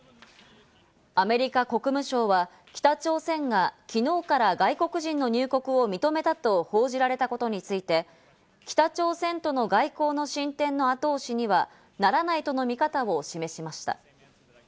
アメリカ国務省は北朝鮮がきのうから外国人の入国を認めたと報じられたことについて、北朝鮮との外交の進展の後押しにはならないとの見方を示しました。